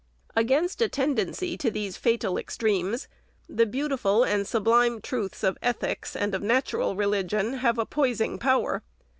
Against a tendency to these fatal extremes, the beautiful and sublime truths of ethics and of natural religion have a poising power.